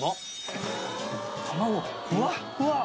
卵ふわっふわっ。